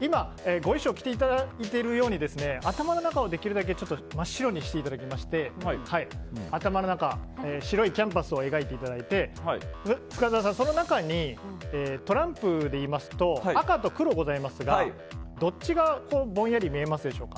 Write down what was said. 今、ご衣装を着ていただいているように頭の中をできるだけ真っ白にしていただきまして頭の中、白いキャンパスを描いていただいて深澤さん、その中にトランプでいいますと赤と黒がございますが、どっちがぼんやり見えますでしょうか。